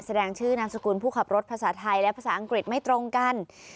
แสดงชื่อนามสกุลผู้ขับรถภาษาไทยและภาษาอังกฤษไม่ตรงกัน